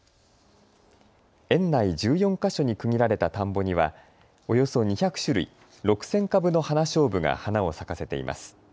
園内１４か所に区切られた田んぼにはおよそ２００種類６０００株の花しょうぶが花を咲かせています。